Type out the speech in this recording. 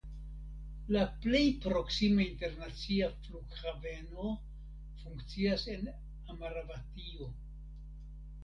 La plej proksima internacia flughaveno funkcias en Amaravatio.